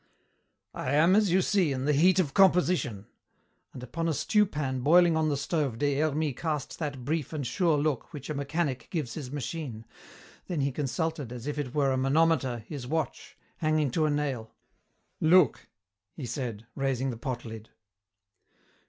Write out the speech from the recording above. "I am, as you see, in the heat of composition," and upon a stew pan boiling on the stove Des Hermies cast that brief and sure look which a mechanic gives his machine, then he consulted, as if it were a manometer, his watch, hanging to a nail. "Look," he said, raising the pot lid.